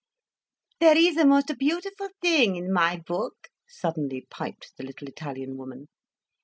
"There is a most beautiful thing in my book," suddenly piped the little Italian woman.